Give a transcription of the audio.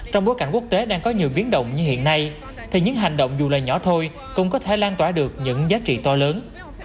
trong bối cảnh quốc tế đang có nhiều biến động như hiện nay thì những hành động dù là nhỏ thôi cũng có thể lan tỏa được những giá trị to lớn